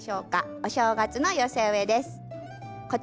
お正月の寄せ植えです。